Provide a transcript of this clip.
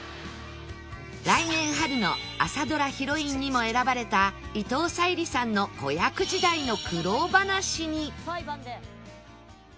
来年春の朝ドラヒロインにも選ばれた伊藤沙莉さんの子役時代の苦労話に